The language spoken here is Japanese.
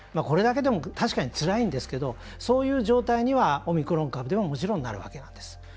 これだけでも確かに、つらいんですけどそういう状態にはオミクロン株でももちろん、なるわけなんです。